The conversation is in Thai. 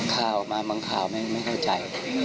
ข่าวมาบางข่าวไม่เข้าใจ